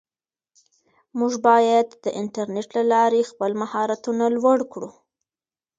موږ باید د انټرنیټ له لارې خپل مهارتونه لوړ کړو.